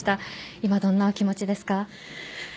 今、どんなお気持ちですか？